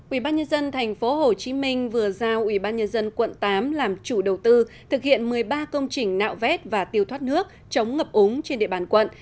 ubnd tp hcm vừa giao ubnd quận tám làm chủ đầu tư thực hiện một mươi ba công trình nạo vét và tiêu thoát nước chống ngập úng trên địa bàn quận